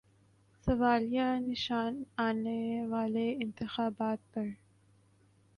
سوالیہ نشان آنے والے انتخابات پر۔